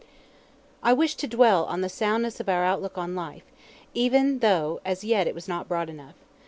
I wish to dwell on the soundness of our outlook on life, even though as yet it was not broad enough.